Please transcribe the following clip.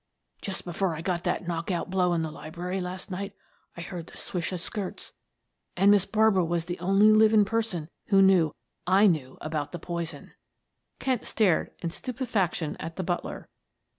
Just before I got that knockout blow in the library last night, I heard the swish o' skirts and Miss Barbara was the only living person who knew I knew about the poison." Kent stared in stupefaction at the butler.